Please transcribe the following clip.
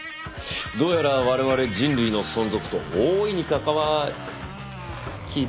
どうやら我々人類の存続と大いに関わ聞いてます？